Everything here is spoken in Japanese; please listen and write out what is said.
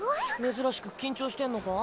珍しく緊張してんのか？